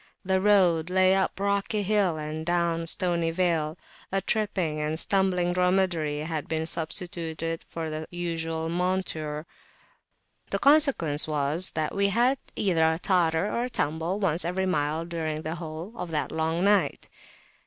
The road lay up rocky hill and down stony vale; a tripping and stumbling dromedary had been substituted for the usual monture: the consequence was that we had either a totter or a tumble once per mile during the whole of that long night.